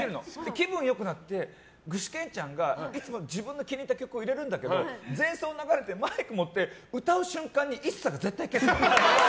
気分良くなって具志堅ちゃんがいつも自分の気に入った曲を入れるんだけど前奏流れてマイク持って歌う瞬間に何で？